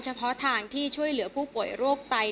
เฉพาะทางที่ช่วยเหลือผู้ป่วยโรคไต